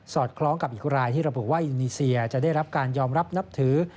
คล้องกับอีกรายที่ระบุว่าอินีเซียจะได้รับการยอมรับนับถือ